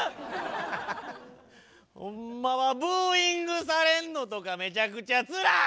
ホンマはブーイングされんのとかめちゃくちゃつらい！